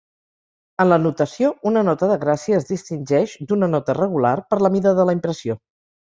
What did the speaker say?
En la notació, una nota de gràcia es distingeix d'una nota regular per la mida de la impressió.